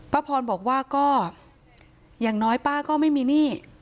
พระพรบอกว่าก็อย่างน้อยป้าก็ไม่มีหนี้